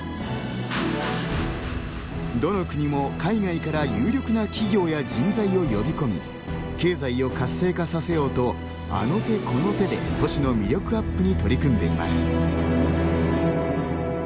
どの国も海外から有力な企業や人材を呼び込み経済を活性化させようとあの手この手で都市の魅力アップに取り組んでいます。